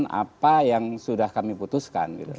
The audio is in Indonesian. dan apa yang sudah kami putuskan